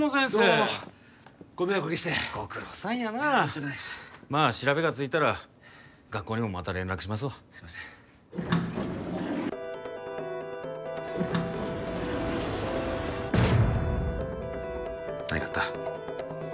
どうもご迷惑おかけしてご苦労さんやな申し訳ないっすまあ調べがついたら学校にもまた連絡しますわすいません何があった？